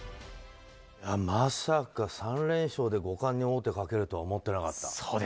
まさか３連勝で五冠に王手かけるとは思ってなかった。